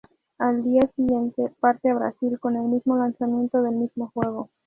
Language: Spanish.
Al día siguiente parte a Brasil con el mismo lanzamiento del mismo juego.